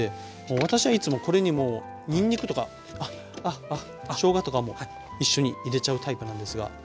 私はいつもこれにもうにんにくとかしょうがとかも一緒に入れちゃうタイプなんですが。